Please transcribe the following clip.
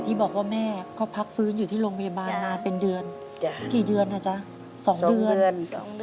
กี่เดือนค่ะจ๊ะสองเดือนสองเดือน